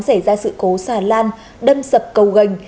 xảy ra sự cố xà lan đâm sập cầu gành